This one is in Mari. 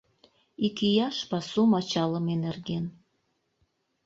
ИКИЯШ ПАСУМ АЧАЛЫМЕ НЕРГЕН